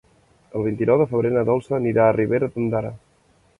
El vint-i-nou de febrer na Dolça anirà a Ribera d'Ondara.